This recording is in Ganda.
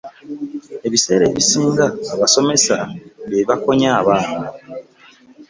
Ebiseera ebisinga abasomesa bebakonya abaana